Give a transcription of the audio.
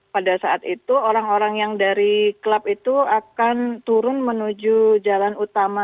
pada saat itu orang orang yang dari klub itu akan turun menuju jalan utama